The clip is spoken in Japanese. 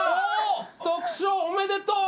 特賞おめでとう！